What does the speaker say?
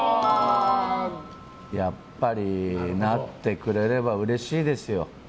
やっぱり、なってくれればうれしいですよ。